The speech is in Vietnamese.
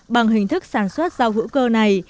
bằng hình thức sản xuất rau hữu cơ này